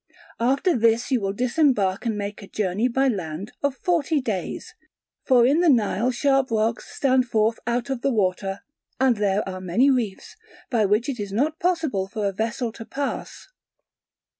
After this you will disembark and make a journey by land of forty days; for in the Nile sharp rocks stand forth out of the water, and there are many reefs, by which it is not possible for a vessel to pass.